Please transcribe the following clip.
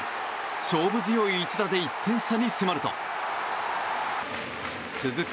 勝負強い一打で１点差に迫ると続く